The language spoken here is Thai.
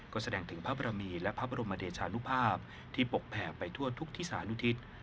ก็แสดงถึงพระบรมีและพระบรมเดชานุภาพที่ปกแผ่ไปทั่วทุกที่สานุทิศ